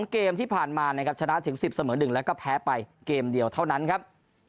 เกมที่ผ่านมานะครับชนะถึง๑๐เสมอ๑แล้วก็แพ้ไปเกมเดียวเท่านั้นครับ